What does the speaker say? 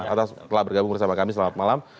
atas telah bergabung bersama kami selamat malam